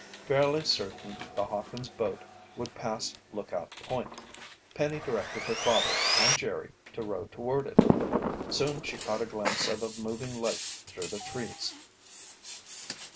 Fairly certain the Hawkins' boat would pass Lookout Point, Penny directed her father and Jerry to row toward it. Soon she caught a glimpse of a moving light through the trees.